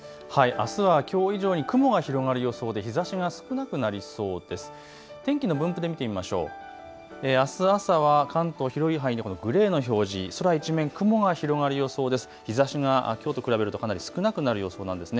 あすはきょう以上に雲が広がる予想で日ざしが少なくなりそうです。